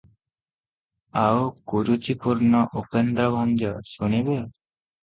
ଆଉ କୁରୁଚିପୂର୍ଣ୍ଣ ଉପେନ୍ଦ୍ରଭଞ୍ଜ ଶୁଣିବେ?